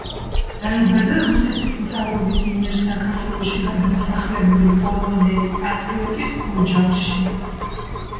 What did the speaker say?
დაიბადა რუსეთის მთავრობის მიერ საქართველოში გადმოსახლებული პოლონელი პატრიოტის ოჯახში.